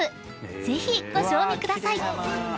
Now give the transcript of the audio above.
［ぜひご賞味ください］